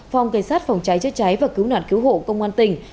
phòng cảnh sát phòng cháy chữa cháy và cứu nạn cứu hộ công an tỉnh